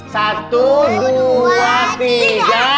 satu dua tiga